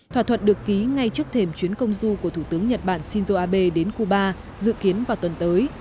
thỏa thuận được ký ngay trước thềm chuyến công du của thủ tướng nhật bản shinzo abe đến cuba dự kiến vào tuần tới